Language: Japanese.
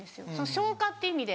消化って意味で。